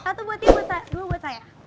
satu buat ibu buat saya